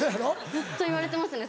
ずっと言われてますね。